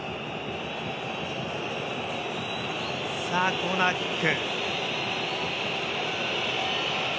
コーナーキック。